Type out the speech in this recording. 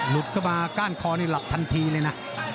เข้ามาก้านคอนี่หลับทันทีเลยนะ